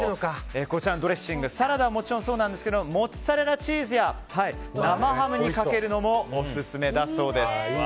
こちらのドレッシングサラダはもちろんそうなんですがモッツァレラチーズや生ハムにかけるのもオススメだそうです。